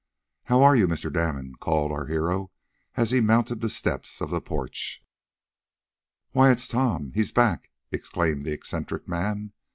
"How are you, Mr. Damon," called our hero, as he mounted the steps of the porch. "Why, it's Tom he's back!" exclaimed the eccentric man.